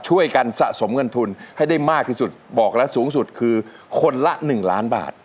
ช่วยกันสะสมเงินทุนให้ได้มากที่สุดบอกแล้วสูงสุดคือคนละ๑ล้านบาท